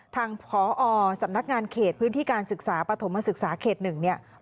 ทางพอสำนักงานเขตพื้นที่การศึกษาปฐมศึกษาเขต๑เนี่ย